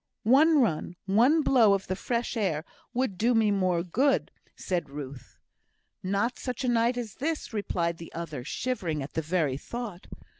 "One run one blow of the fresh air would do me more good," said Ruth. "Not such a night as this," replied the other, shivering at the very thought.